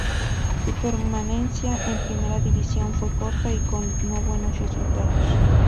Su permanencia en Primera División fue corta y con no buenos resultados.